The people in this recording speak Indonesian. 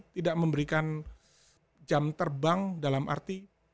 tidak memberikan jam terbang dalam arti